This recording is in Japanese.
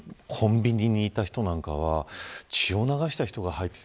コンビニにいた人なんかは血を流した人が入ってくる。